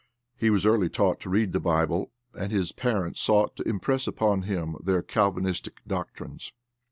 He was early taught to read the Bible, and his parents sought to impress upon him their Calvinistic doctrines.